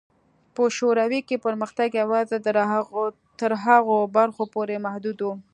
په شوروي کې پرمختګ یوازې تر هغو برخو پورې محدود و.